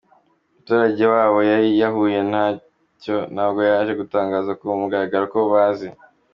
muturage wabo yari yahuye nacyo ari nabwo baje gutangaza ku mugaragaro ko bazi.